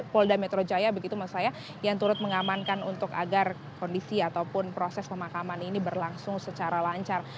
polda metro jaya begitu maksud saya yang turut mengamankan untuk agar kondisi ataupun proses pemakaman ini berlangsung secara lancar